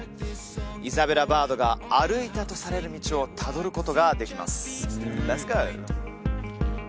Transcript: イザベラ・バードが歩いたとされる道をたどることができます